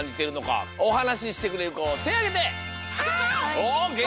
おおげんき！